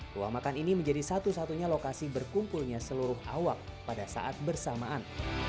rumah makan ini menjadi satu satunya lokasi berkumpulnya seluruh awak pada saat bersamaan